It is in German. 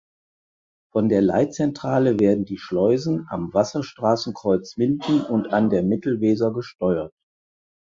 Von der Leitzentrale werden die Schleusen am Wasserstraßenkreuz Minden und an der Mittelweser gesteuert.